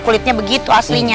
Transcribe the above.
kulitnya begitu aslinya